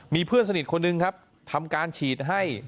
มีเพื่อนสนิทคนหนึ่งครับทำการฉีดให้